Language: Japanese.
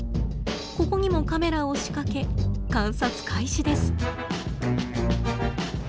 ここにもカメラを仕掛け観察開始です。